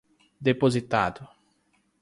depositado